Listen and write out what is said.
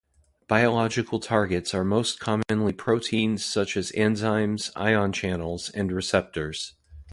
Biological targets are most commonly proteins such as enzymes, ion channels, and receptors.